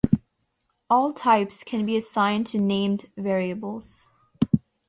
All types can be assigned to named variables.